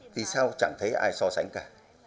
thì sao chẳng thấy ai so sánh cả